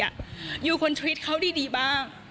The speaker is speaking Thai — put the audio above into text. อายุคนทรีตเขาดีบ้าง